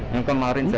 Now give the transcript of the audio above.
yang kemarin saya